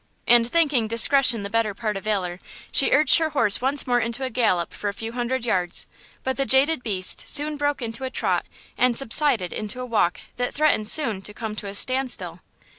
And thinking "discretion the better part of valor," she urged her horse once more into a gallop for a few hundred yards; but the jaded beast soon broke into a trot and subsided into a walk that threatened soon to come to a standstill.